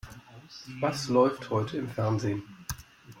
Was läuft heute im Fernsehen?